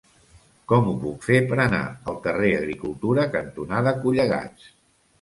Com ho puc fer per anar al carrer Agricultura cantonada Collegats?